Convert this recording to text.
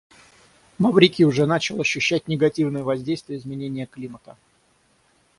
Маврикий уже начал ощущать негативное воздействие изменения климата.